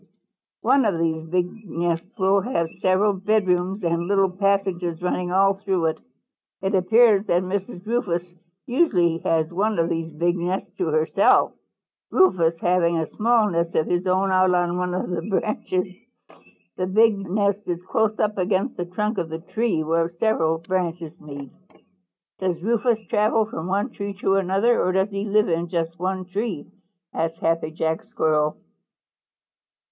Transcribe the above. "One of these big nests will have several bedrooms and little passages running all through it. It appears that Mrs. Rufous usually has one of these big nests to herself, Rufous having a small nest of his own out on one of the branches. The big nest is close up against the trunk of the tree where several branches meet." "Does Rufous travel from one tree to another, or does he live in just one tree?" asked Happy Jack Squirrel.